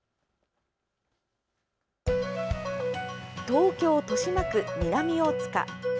東京・豊島区南大塚。